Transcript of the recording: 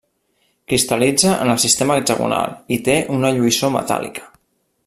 Cristal·litza en el sistema hexagonal, i té una lluïssor metàl·lica.